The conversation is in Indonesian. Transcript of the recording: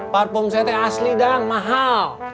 parfum sete asli dang mahal